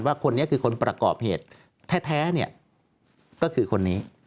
ว่าคนนี้คือคนประกอบเหตุแท้ก็คือคนนี้